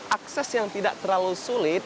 akses yang tidak terlalu sulit